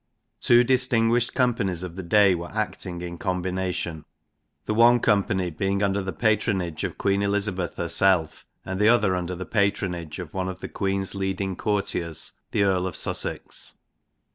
Two distinguished companies of the day were acting in combination the one company being under the patronage of Queen Elizabeth herself, and the other under the patronage of one of the Queen's leading courtiers, the Earl of Sussex.